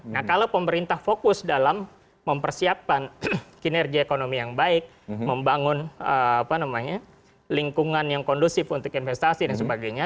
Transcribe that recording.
nah kalau pemerintah fokus dalam mempersiapkan kinerja ekonomi yang baik membangun lingkungan yang kondusif untuk investasi dan sebagainya